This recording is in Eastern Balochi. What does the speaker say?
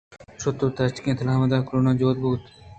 شُت ءُ تکشءُ تلاوگءُ کوراں جہمنند بُوت